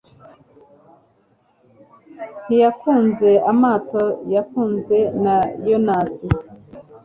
Ntiyankunze amato ya kunze na yonasi